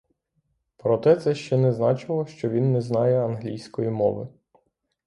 Проте це ще не значило, що він не знає англійської мови.